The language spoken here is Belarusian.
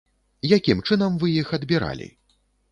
Якім чынам вы іх адбіралі?